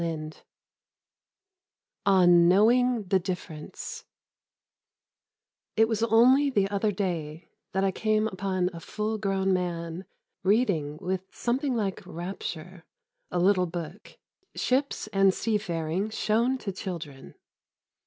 VIII ON KNOWING THE DIFFERENCE It was only the other day that I came upon a full grown man reading with something like rapture a little book Ships and Seafaring Shown to Children.